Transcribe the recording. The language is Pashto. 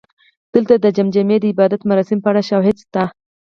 دلته د جمجمې د عبادت مراسمو په اړه شواهد شته